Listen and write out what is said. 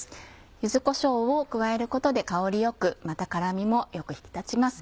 柚子こしょうを加えることで香り良くまた辛みもよく引き立ちます。